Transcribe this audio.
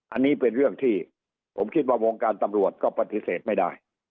อันนี้เป็นเรื่องที่ผมคิดว่าวงการตำรวจก็ปฏิเสธไม่ได้